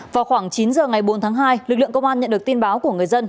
vào khoảng chín h ngày bốn tháng hai lực lượng công an nhận được tin báo của người dân